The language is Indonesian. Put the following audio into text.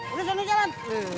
udah senang jalan